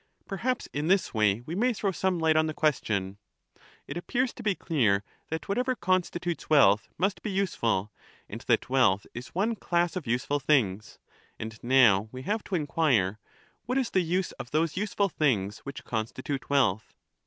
Perhaps in this way we may throw some light on the question. It appears to be clear that whatever constitutes wealth must be useful, and that wealth is one class of useful things ; and now we have to enquire, What is the use of those useful things which con stitute wealth?